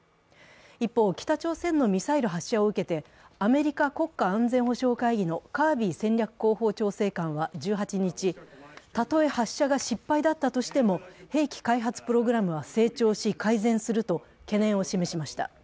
一方、北朝鮮のミサイル発射を受けて、アメリカの国家安全保障会議のカービー戦略広報室調整官は、たとえ発射が失敗だったとしても兵器開発プログラムは成長し、改善すると懸念を示しました。